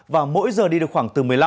và mỗi giờ đi được khoảng từ một mươi năm